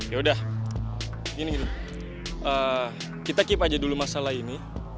yaudah gini kita keep aja dulu masalah ini